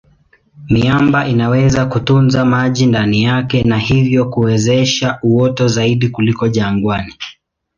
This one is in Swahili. Miamba inaweza kutunza maji ndani yake na hivyo kuwezesha uoto zaidi kuliko jangwani.